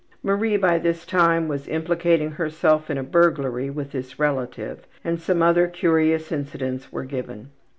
Marie by this time was implicating herself in a burglary with this relative, and some other curious incidents were given.